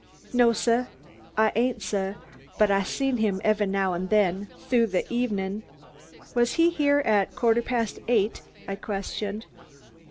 "No, sah, I ain't suah, but Ah seen him ev'y now an' den thu de ev'nin'." "Was he here at quarter past eight?" I questioned.